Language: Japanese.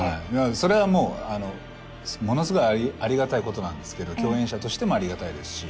それはもうものすごいありがたいことなんですけど共演者としてもありがたいですし。